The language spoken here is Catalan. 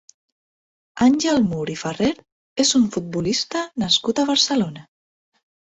Àngel Mur i Ferrer és un futbolista nascut a Barcelona.